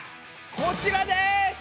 こちらです！